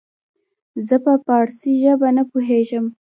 زه په پاړسي زبه نه پوهيږم